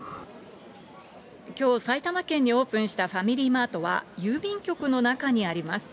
きょう、埼玉県にオープンしたファミリーマートは、郵便局の中にあります。